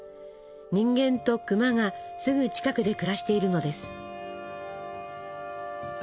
人間と熊がすぐ近くで暮らしているのです。